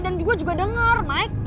dan juga denger naik